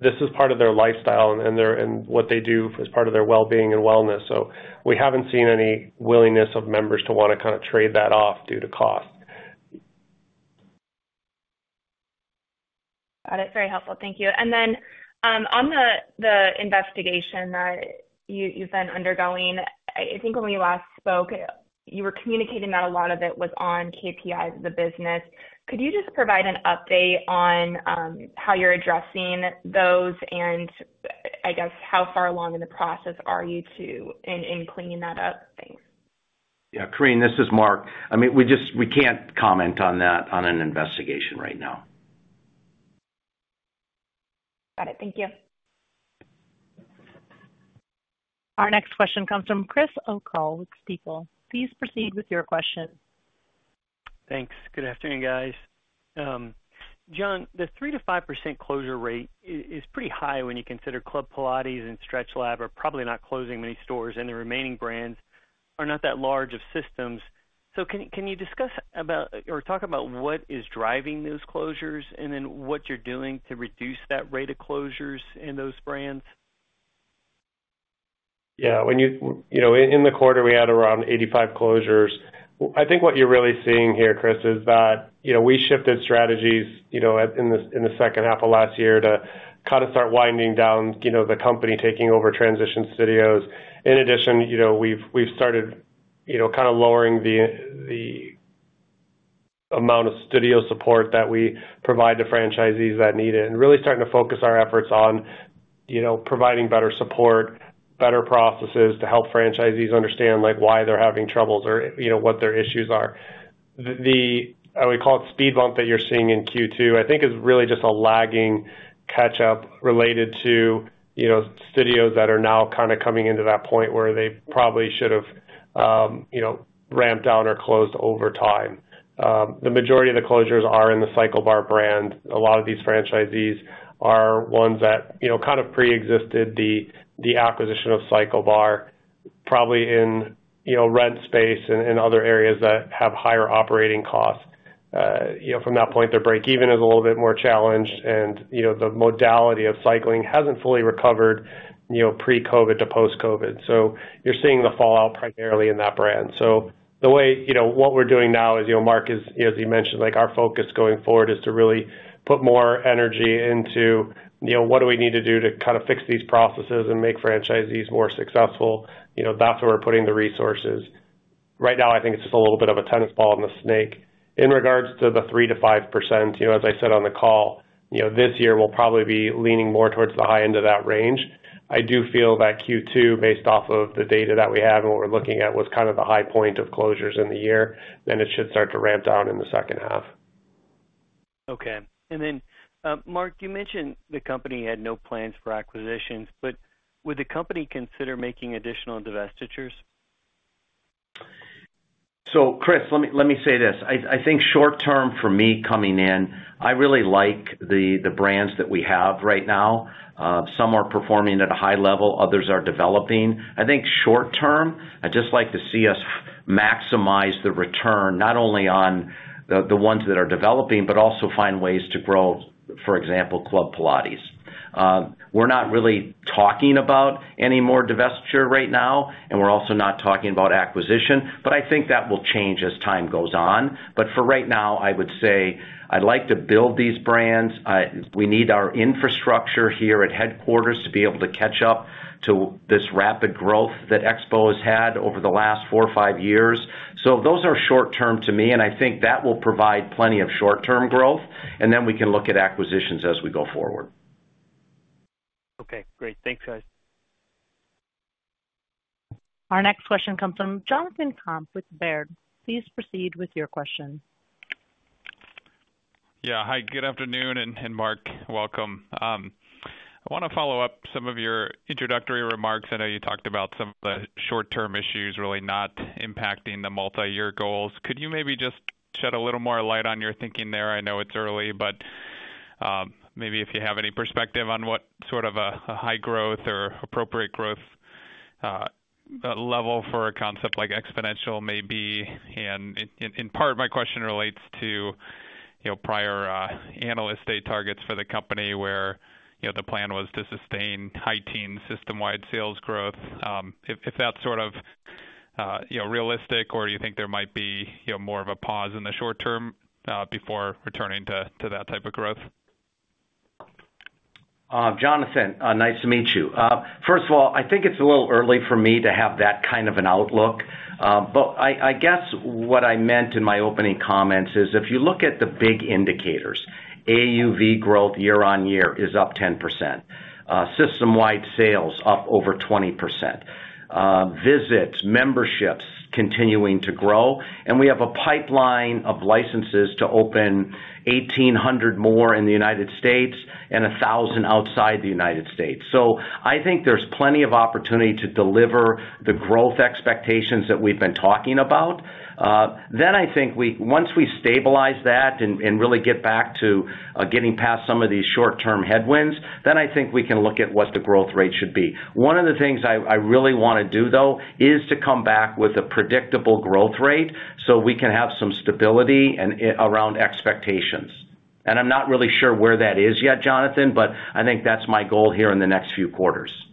this is part of their lifestyle and what they do as part of their well-being and wellness. So we haven't seen any willingness of members to want to kind of trade that off due to cost. Got it. Very helpful. Thank you. And then on the investigation that you've been undergoing, I think when we last spoke, you were communicating that a lot of it was on KPIs of the business. Could you just provide an update on how you're addressing those and, I guess, how far along in the process are you in cleaning that up? Thanks. Yeah. Korinne, this is Mark. I mean, we can't comment on that on an investigation right now. Got it. Thank you. Our next question comes from Chris O'Cull with Stifel. Please proceed with your question. Thanks. Good afternoon, guys. John, the 3%-5% closure rate is pretty high when you consider Club Pilates and StretchLab are probably not closing many stores, and the remaining brands are not that large of systems. So can you discuss about or talk about what is driving those closures and then what you're doing to reduce that rate of closures in those brands? Yeah. In the quarter, we had around 85 closures. I think what you're really seeing here, Chris, is that we shifted strategies in the second half of last year to kind of start winding down the company taking over transition studios. In addition, we've started kind of lowering the amount of studio support that we provide to franchisees that need it and really starting to focus our efforts on providing better support, better processes to help franchisees understand why they're having troubles or what their issues are. The, I would call it, speed bump that you're seeing in Q2, I think, is really just a lagging catch-up related to studios that are now kind of coming into that point where they probably should have ramped down or closed over time. The majority of the closures are in the CycleBar brand. A lot of these franchisees are ones that kind of pre-existed the acquisition of CycleBar, probably in rent space and other areas that have higher operating costs. From that point, their break-even is a little bit more challenged, and the modality of cycling hasn't fully recovered pre-COVID to post-COVID. So you're seeing the fallout primarily in that brand. So the way what we're doing now is, Mark, as you mentioned, our focus going forward is to really put more energy into what do we need to do to kind of fix these processes and make franchisees more successful. That's where we're putting the resources. Right now, I think it's just a little bit of a tennis ball and a snake. In regards to the 3%-5%, as I said on the call, this year, we'll probably be leaning more towards the high end of that range. I do feel that Q2, based off of the data that we have and what we're looking at, was kind of the high point of closures in the year, then it should start to ramp down in the second half. Okay. And then, Mark, you mentioned the company had no plans for acquisitions, but would the company consider making additional divestitures? So, Chris, let me say this. I think short-term, for me coming in, I really like the brands that we have right now. Some are performing at a high level. Others are developing. I think short-term, I'd just like to see us maximize the return, not only on the ones that are developing, but also find ways to grow, for example, Club Pilates. We're not really talking about any more divestiture right now, and we're also not talking about acquisition, but I think that will change as time goes on. But for right now, I would say I'd like to build these brands. We need our infrastructure here at headquarters to be able to catch up to this rapid growth that Xpo has had over the last four or five years. So those are short-term to me, and I think that will provide plenty of short-term growth, and then we can look at acquisitions as we go forward. Okay. Great. Thanks, guys. Our next question comes from Jonathan Komp with Baird. Please proceed with your question. Yeah. Hi. Good afternoon, and Mark. Welcome. I want to follow up some of your introductory remarks. I know you talked about some of the short-term issues really not impacting the multi-year goals. Could you maybe just shed a little more light on your thinking there? I know it's early, but maybe if you have any perspective on what sort of a high growth or appropriate growth level for a concept like Xponential may be. And in part, my question relates to prior analysts' day targets for the company where the plan was to sustain high-teen, system-wide sales growth. If that's sort of realistic, or do you think there might be more of a pause in the short-term before returning to that type of growth? Jonathan, nice to meet you. First of all, I think it's a little early for me to have that kind of an outlook. But I guess what I meant in my opening comments is if you look at the big indicators, AUV growth year-on-year is up 10%. System-wide sales up over 20%. Visits, memberships continuing to grow. And we have a pipeline of licenses to open 1,800 more in the United States and 1,000 outside the United States. So I think there's plenty of opportunity to deliver the growth expectations that we've been talking about. Then I think once we stabilize that and really get back to getting past some of these short-term headwinds, then I think we can look at what the growth rate should be. One of the things I really want to do, though, is to come back with a predictable growth rate so we can have some stability around expectations. And I'm not really sure where that is yet, Jonathan, but I think that's my goal here in the next few quarters. Great.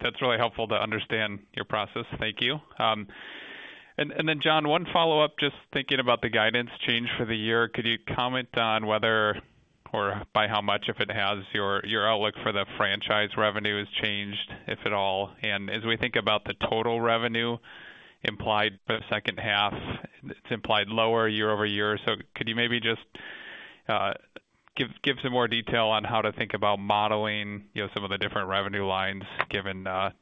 That's really helpful to understand your process. Thank you. And then, John, one follow-up, just thinking about the guidance change for the year. Could you comment on whether or by how much, if it has, your outlook for the franchise revenue has changed, if at all? And as we think about the total revenue implied for the second half, it's implied lower year-over-year. So could you maybe just give some more detail on how to think about modeling some of the different revenue lines given the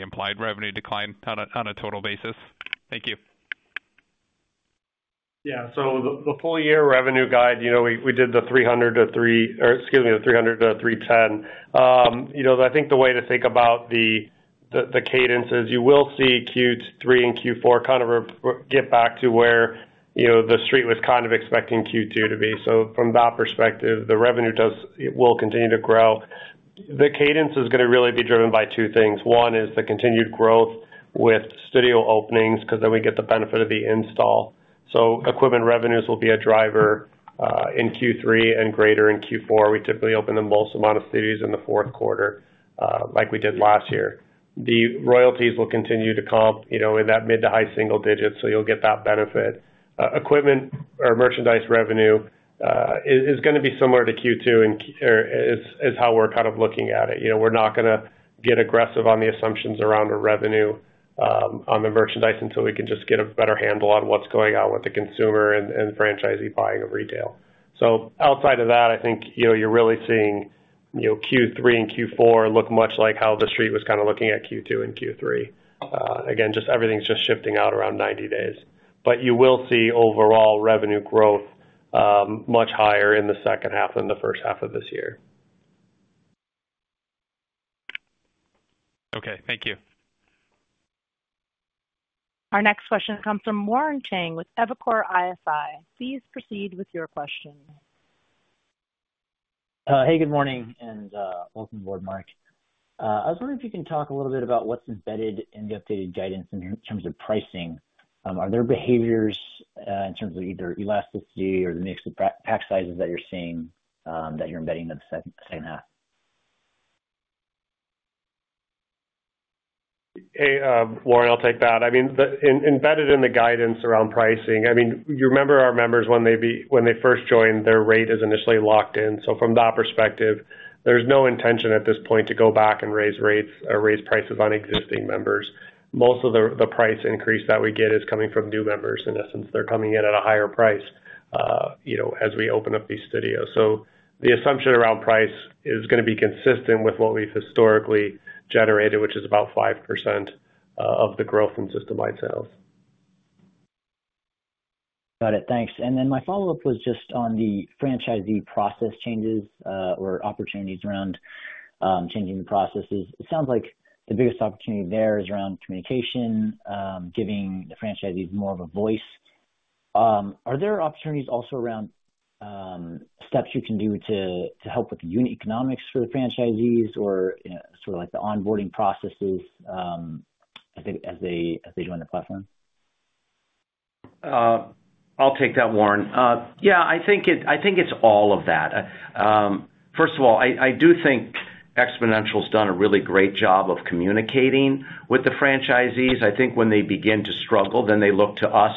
implied revenue decline on a total basis? Thank you. Yeah. So the full-year revenue guide, we did the $300-$310. I think the way to think about the cadence is you will see Q3 and Q4 kind of get back to where the street was kind of expecting Q2 to be. So from that perspective, the revenue will continue to grow. The cadence is going to really be driven by two things. One is the continued growth with studio openings because then we get the benefit of the install. So equipment revenues will be a driver in Q3 and greater in Q4. We typically open the most amount of studios in the fourth quarter like we did last year. The royalties will continue to comp in that mid- to high-single-digit, so you'll get that benefit. Equipment or merchandise revenue is going to be similar to Q2 or is how we're kind of looking at it. We're not going to get aggressive on the assumptions around the revenue on the merchandise until we can just get a better handle on what's going on with the consumer and franchisee buying of retail. So outside of that, I think you're really seeing Q3 and Q4 look much like how the street was kind of looking at Q2 and Q3. Again, just everything's just shifting out around 90 days. But you will see overall revenue growth much higher in the second half than the first half of this year. Okay. Thank you. Our next question comes from Warren Chang with Evercore ISI. Please proceed with your question. Hey. Good morning and welcome aboard, Mark. I was wondering if you can talk a little bit about what's embedded in the updated guidance in terms of pricing. Are there behaviors in terms of either elasticity or the mix of pack sizes that you're seeing that you're embedding in the second half? Hey, Warren, I'll take that. I mean, embedded in the guidance around pricing, I mean, you remember our members when they first joined, their rate is initially locked in. So from that perspective, there's no intention at this point to go back and raise rates or raise prices on existing members. Most of the price increase that we get is coming from new members. In essence, they're coming in at a higher price as we open up these studios. So the assumption around price is going to be consistent with what we've historically generated, which is about 5% of the growth in system-wide sales. Got it. Thanks. And then my follow-up was just on the franchisee process changes or opportunities around changing the processes. It sounds like the biggest opportunity there is around communication, giving the franchisees more of a voice. Are there opportunities also around steps you can do to help with the unit economics for the franchisees or sort of like the onboarding processes as they join the platform? I'll take that, Warren. Yeah. I think it's all of that. First of all, I do think Xponential's done a really great job of communicating with the franchisees. I think when they begin to struggle, then they look to us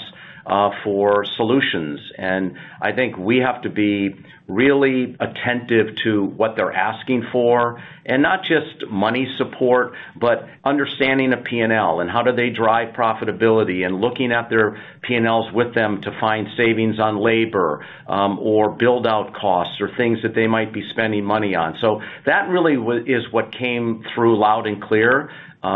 for solutions. And I think we have to be really attentive to what they're asking for and not just money support, but understanding the P&L and how do they drive profitability and looking at their P&Ls with them to find savings on labor or build out costs or things that they might be spending money on. So that really is what came through loud and clear,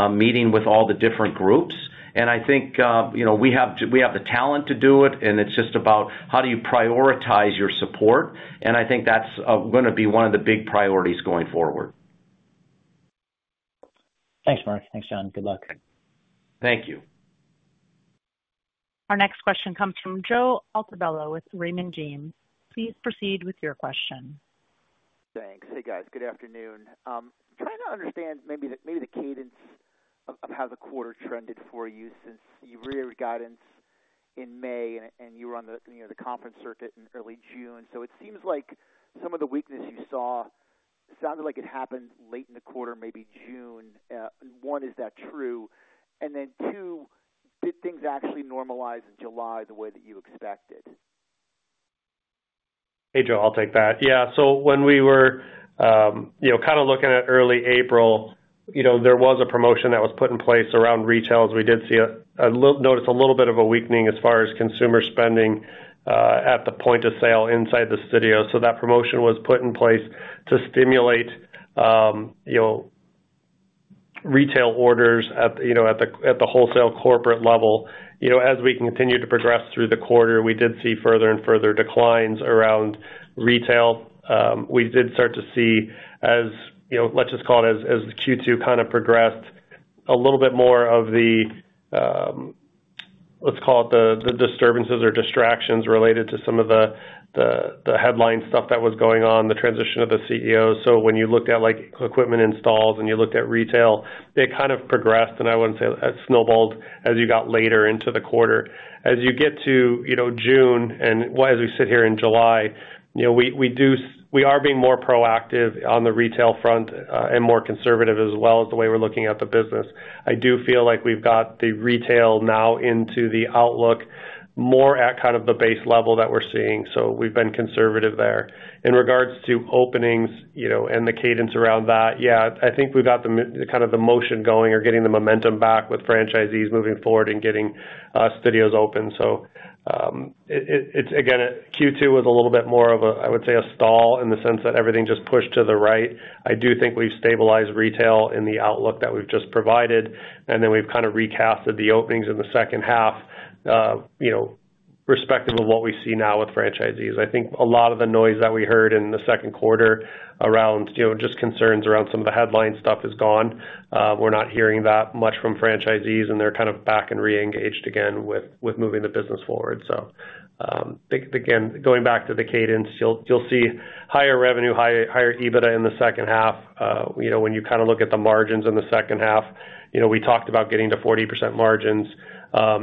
meeting with all the different groups. And I think we have the talent to do it, and it's just about how do you prioritize your support. And I think that's going to be one of the big priorities going forward. Thanks, Mark. Thanks, John. Good luck. Thank you. Our next question comes from Joe Altobello with Raymond James. Please proceed with your question. Thanks. Hey, guys. Good afternoon. I'm trying to understand maybe the cadence of how the quarter trended for you since you raised guidance in May, and you were on the conference circuit in early June. So it seems like some of the weakness you saw sounded like it happened late in the quarter, maybe June. One, is that true? And then two, did things actually normalize in July the way that you expected? Hey, Joe. I'll take that. Yeah. So when we were kind of looking at early April, there was a promotion that was put in place around retail. We did notice a little bit of a weakening as far as consumer spending at the point of sale inside the studio. So that promotion was put in place to stimulate retail orders at the wholesale corporate level. As we continued to progress through the quarter, we did see further and further declines around retail. We did start to see, let's just call it as Q2 kind of progressed, a little bit more of the, let's call it the disturbances or distractions related to some of the headline stuff that was going on, the transition of the CEO. So when you looked at equipment installs and you looked at retail, it kind of progressed, and I wouldn't say it snowballed as you got later into the quarter. As you get to June and as we sit here in July, we are being more proactive on the retail front and more conservative as well as the way we're looking at the business. I do feel like we've got the retail now into the outlook more at kind of the base level that we're seeing. So we've been conservative there. In regards to openings and the cadence around that, yeah, I think we've got kind of the motion going or getting the momentum back with franchisees moving forward and getting studios open. So again, Q2 was a little bit more of a, I would say, a stall in the sense that everything just pushed to the right. I do think we've stabilized retail in the outlook that we've just provided, and then we've kind of recast the openings in the second half respective of what we see now with franchisees. I think a lot of the noise that we heard in the second quarter around just concerns around some of the headline stuff is gone. We're not hearing that much from franchisees, and they're kind of back and re-engaged again with moving the business forward. So again, going back to the cadence, you'll see higher revenue, higher EBITDA in the second half. When you kind of look at the margins in the second half, we talked about getting to 40% margins.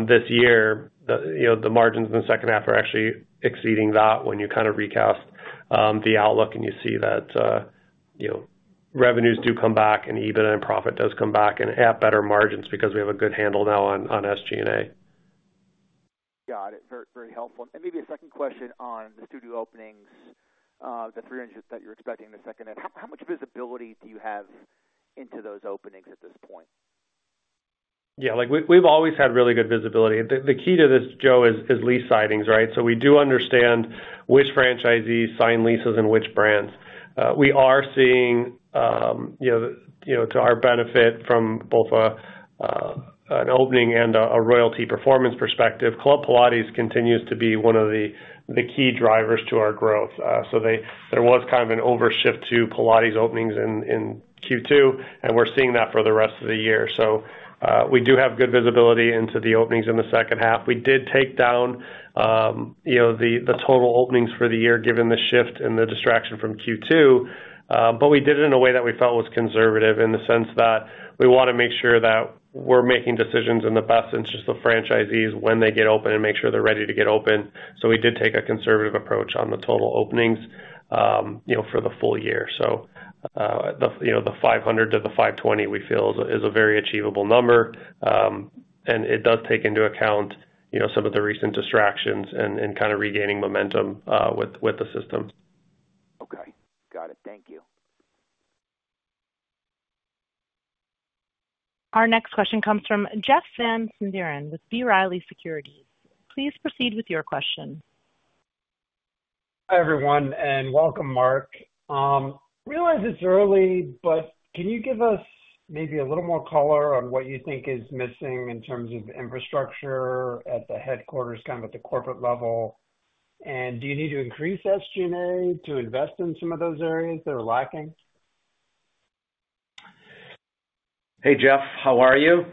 This year, the margins in the second half are actually exceeding that when you kind of recast the outlook, and you see that revenues do come back and EBITDA and profit does come back and at better margins because we have a good handle now on SG&A. Got it. Very helpful. And maybe a second question on the studio openings, the 300 that you're expecting in the second half. How much visibility do you have into those openings at this point? Yeah. We've always had really good visibility. The key to this, Joe, is lease signings, right? So we do understand which franchisees sign leases and which brands. We are seeing, to our benefit from both an opening and a royalty performance perspective, Club Pilates continues to be one of the key drivers to our growth. So there was kind of an overshift to Pilates openings in Q2, and we're seeing that for the rest of the year. So we do have good visibility into the openings in the second half. We did take down the total openings for the year given the shift and the distraction from Q2, but we did it in a way that we felt was conservative in the sense that we want to make sure that we're making decisions in the best interest of franchisees when they get open and make sure they're ready to get open. So we did take a conservative approach on the total openings for the full year. So the 500-520, we feel, is a very achievable number. And it does take into account some of the recent distractions and kind of regaining momentum with the system. Okay. Got it. Thank you. Our next question comes from Jeff Van Sinderen with B. Riley Securities. Please proceed with your question. Hi, everyone, and welcome, Mark. I realize it's early, but can you give us maybe a little more color on what you think is missing in terms of infrastructure at the headquarters, kind of at the corporate level? And do you need to increase SG&A to invest in some of those areas that are lacking? Hey, Jeff, how are you?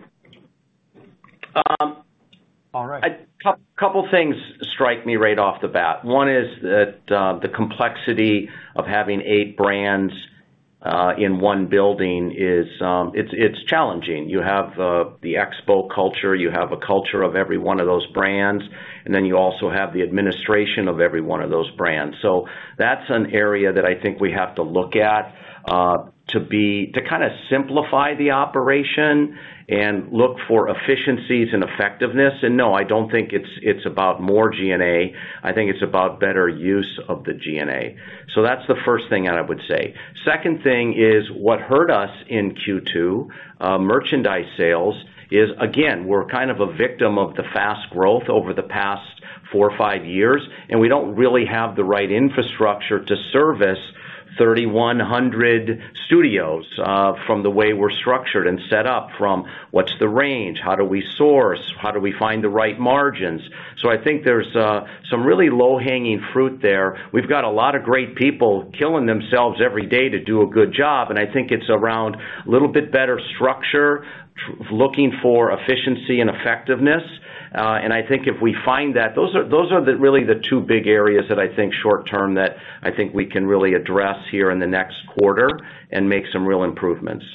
All right. A couple of things strike me right off the bat. One is that the complexity of having eight brands in one building is challenging. You have the Xponential culture. You have a culture of every one of those brands. And then you also have the administration of every one of those brands. So that's an area that I think we have to look at to kind of simplify the operation and look for efficiencies and effectiveness. And no, I don't think it's about more G&A. I think it's about better use of the G&A. So that's the first thing that I would say. Second thing is what hurt us in Q2, merchandise sales, is, again, we're kind of a victim of the fast growth over the past 4 or 5 years, and we don't really have the right infrastructure to service 3,100 studios from the way we're structured and set up, from what's the range, how do we source, how do we find the right margins. So I think there's some really low-hanging fruit there. We've got a lot of great people killing themselves every day to do a good job. And I think it's around a little bit better structure, looking for efficiency and effectiveness. And I think if we find that, those are really the two big areas that I think short-term that I think we can really address here in the next quarter and make some real improvements.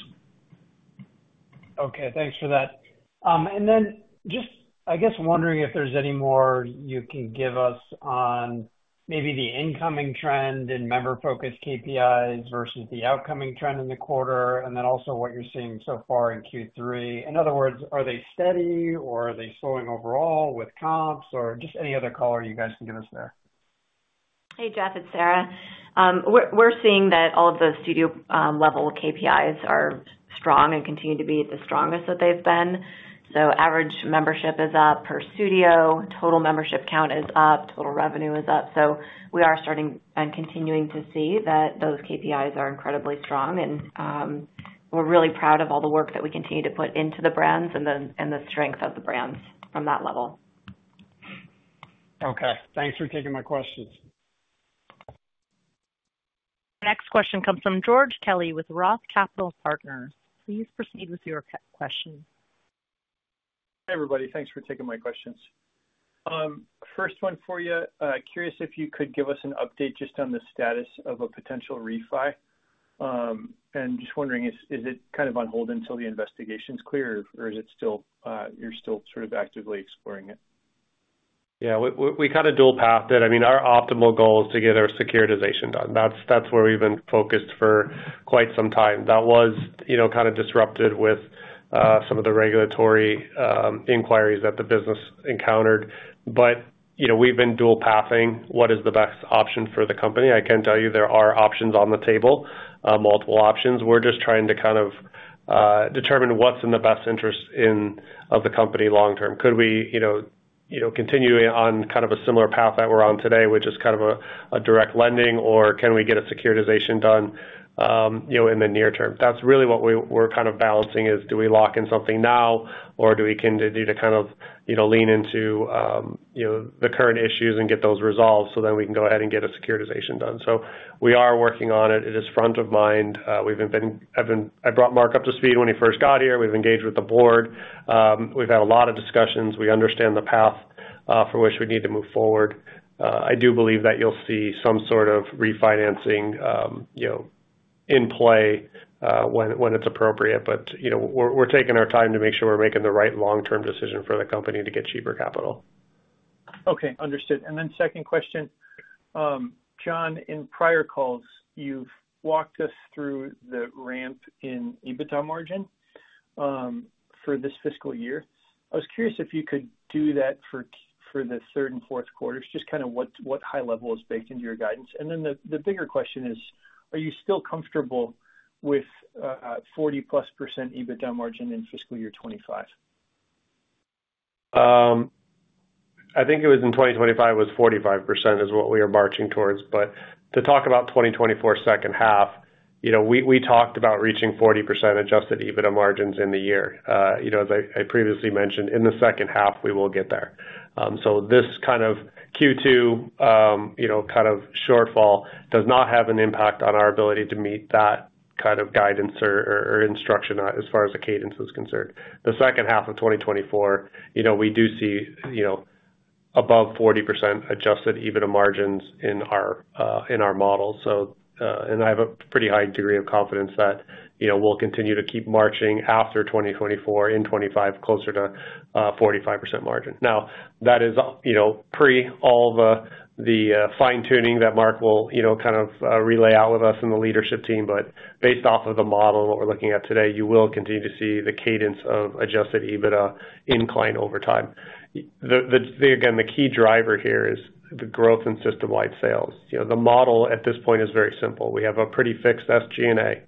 Okay. Thanks for that. And then just, I guess, wondering if there's any more you can give us on maybe the incoming trend in member-focused KPIs versus the outgoing trend in the quarter, and then also what you're seeing so far in Q3. In other words, are they steady or are they slowing overall with comps or just any other color you guys can give us there? Hey, Jeff. It's Sarah. We're seeing that all of the studio-level KPIs are strong and continue to be the strongest that they've been. So average membership is up per studio, total membership count is up, total revenue is up. So we are starting and continuing to see that those KPIs are incredibly strong, and we're really proud of all the work that we continue to put into the brands and the strength of the brands from that level. Okay. Thanks for taking my questions. Our next question comes from George Kelly with Roth Capital Partners. Please proceed with your question. Hi, everybody. Thanks for taking my questions. First one for you. Curious if you could give us an update just on the status of a potential refi. And just wondering, is it kind of on hold until the investigation's clear, or is it still you're still sort of actively exploring it? Yeah. We kind of dual-pathed it. I mean, our optimal goal is to get our securitization done. That's where we've been focused for quite some time. That was kind of disrupted with some of the regulatory inquiries that the business encountered. But we've been dual-pathing what is the best option for the company. I can tell you there are options on the table, multiple options. We're just trying to kind of determine what's in the best interest of the company long-term. Could we continue on kind of a similar path that we're on today, which is kind of a direct lending, or can we get a securitization done in the near-term? That's really what we're kind of balancing is, do we lock in something now, or do we continue to kind of lean into the current issues and get those resolved so then we can go ahead and get a securitization done? So we are working on it. It is front of mind. I brought Mark up to speed when he first got here. We've engaged with the board. We've had a lot of discussions. We understand the path for which we need to move forward. I do believe that you'll see some sort of refinancing in play when it's appropriate, but we're taking our time to make sure we're making the right long-term decision for the company to get cheaper capital. Okay. Understood. And then second question, John, in prior calls, you've walked us through the ramp in EBITDA margin for this fiscal year. I was curious if you could do that for the third and fourth quarters, just kind of what high level is baked into your guidance. And then the bigger question is, are you still comfortable with 40%+ Adjusted EBITDA margin in fiscal year 2025? I think it was in 2025, it was 45% is what we are marching towards. But to talk about 2024 second half, we talked about reaching 40% Adjusted EBITDA margins in the year. As I previously mentioned, in the second half, we will get there. So this kind of Q2 kind of shortfall does not have an impact on our ability to meet that kind of guidance or instruction as far as the cadence is concerned. The second half of 2024, we do see above 40% Adjusted EBITDA margins in our model. I have a pretty high degree of confidence that we'll continue to keep marching after 2024, in 2025, closer to 45% margin. Now, that is pre all the fine-tuning that Mark will kind of relay out with us and the leadership team. But based off of the model and what we're looking at today, you will continue to see the cadence of Adjusted EBITDA incline over time. Again, the key driver here is the growth in system-wide sales. The model at this point is very simple. We have a pretty fixed SG&A.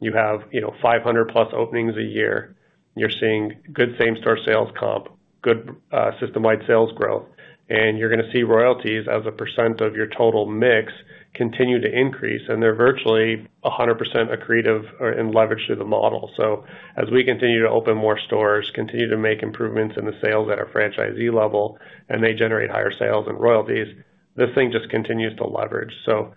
You have 500+ openings a year. You're seeing good same-store sales comp, good system-wide sales growth, and you're going to see royalties as a percent of your total mix continue to increase, and they're virtually 100% accretive and leveraged to the model. So as we continue to open more stores, continue to make improvements in the sales at a franchisee level, and they generate higher sales and royalties, this thing just continues to leverage. So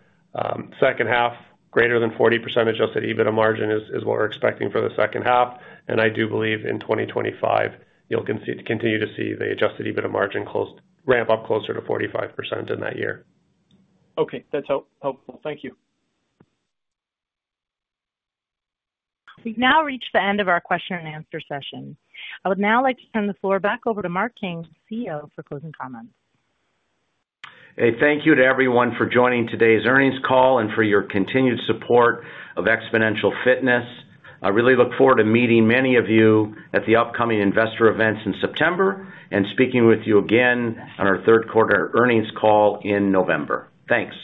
second half, greater than 40% Adjusted EBITDA margin is what we're expecting for the second half. And I do believe in 2025, you'll continue to see the Adjusted EBITDA margin ramp up closer to 45% in that year. Okay. That's helpful. Thank you. We've now reached the end of our question-and-answer session. I would now like to turn the floor back over to Mark King, CEO, for closing comments. Hey, thank you to everyone for joining today's earnings call and for your continued support of Xponential Fitness. I really look forward to meeting many of you at the upcoming investor events in September and speaking with you again on our third quarter earnings call in November. Thanks.